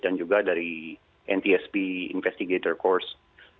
dan juga dari ntsb investigator course